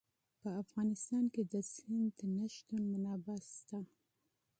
په افغانستان کې د سمندر نه شتون منابع شته.